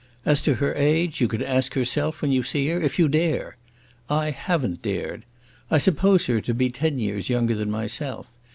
As to her age, you can ask herself when you see her, if you dare. I haven't dared. I suppose her to be ten years younger than myself.